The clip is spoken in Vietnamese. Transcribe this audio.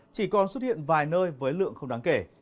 chỉ còn xuất hiện vài nơi với lượng không đáng kể